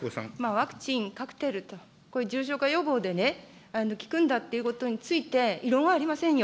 ワクチン、カクテルと、こういう重症化予防で効くんだっていうことについて、異論はありませんよ。